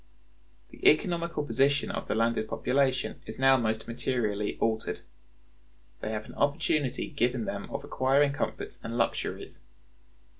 The economical position of the landed population is now most materially altered. They have an opportunity given them of acquiring comforts and luxuries.